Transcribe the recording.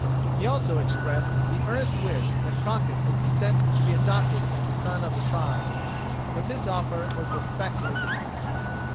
He also expressed the earnest wish that Crockett would consent to be adopted as a son of the tribe. But this offer was respectfully declined.